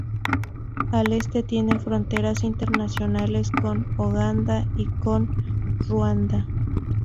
Al este tiene fronteras internacionales con Uganda y con Ruanda.